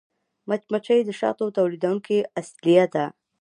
مچمچۍ د شاتو تولیدوونکې اصلیه ده